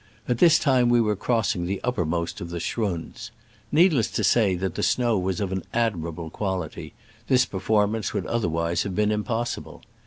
At this time we were crossing the upper most of the schrunds. Needless to say that the snow was of an admirable qual ity: this performance would otherwise have been impossible.